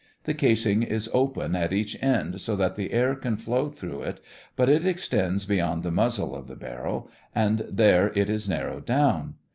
The casing is open at each end so that the air can flow through it, but it extends beyond the muzzle of the barrel, and there it is narrowed down.